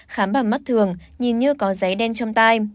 khám bằng mắt thường nhìn như có giấy đen trong tay